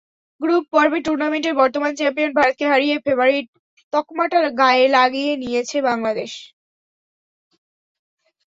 Group পর্বে টুর্নামেন্টের বর্তমান চ্যাম্পিয়ন ভারতকে হারিয়ে ফেবারিট তকমাটা গায়ে লাগিয়ে নিয়েছে বাংলাদেশ।